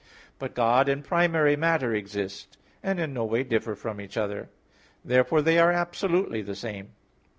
But God and primary matter exist, and in no way differ from each other. Therefore they are absolutely the same.